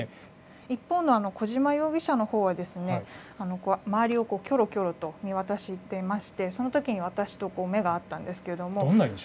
一方の小島容疑者のほうは、周りをきょろきょろと見渡していまして、そのときに私と目が合ったんですけども。